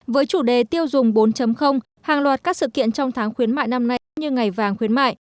với chủ đề tiêu dùng bốn hàng loạt các sự kiện trong tháng khuyến mại năm nay cũng như ngày vàng khuyến mại